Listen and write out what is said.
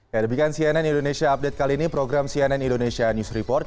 ya demikian cnn indonesia update kali ini program cnn indonesia news report